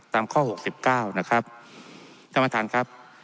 ตามข้อหกสิบเก้านะครับท่านประธานครับ